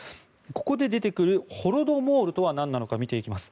ここで出てくるホロドモールとはなんなのか見てきます。